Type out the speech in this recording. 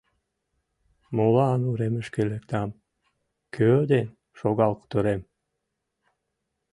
Молан уремышке лектам, кӧ ден шогал кутырем?